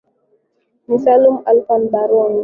ni salum alfan baruan